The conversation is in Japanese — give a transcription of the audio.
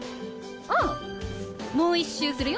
ああもう一周するよ。